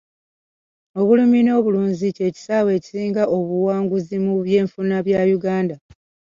Obulimi n'obulunzi kye kisaawe ekisinga obuwanguzi mu byenfuna bya Uganda.